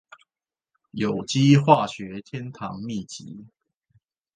有機化學天堂祕笈